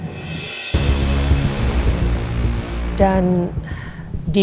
sebelum roy kenal dengan andin